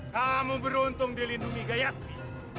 kamu beruntung dilindungi gayatri